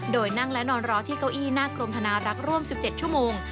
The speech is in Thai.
โดยนั่งและนอนรอที่เก้าอี้หน้ากรมธนารักษ์ร่วม๑๗ชั่วโมง